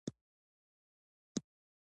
د بون میرو بایوپسي د وینې ناروغۍ ښيي.